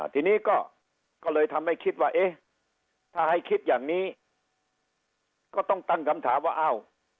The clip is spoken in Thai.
ทีนี้ก็เลยทำให้คิดว่าเอ๊ะถ้าให้คิดอย่างนี้ก็ต้องตั้งคำถามว่าอ้าว